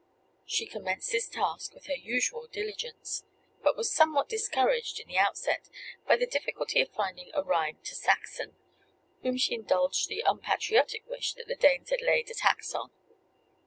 She commenced this task with her usual diligence; but was somewhat discouraged in the outset by the difficulty of finding a rhyme to Saxon, whom she indulged the unpatriotic wish that the Danes had laid a tax on.